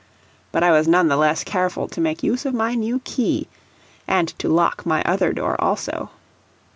But I was none the less careful to make use of my new key, and to lock my other door also.